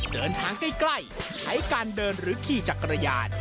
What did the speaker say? เดินทางใกล้ใช้การเดินหรือขี่จักรยาน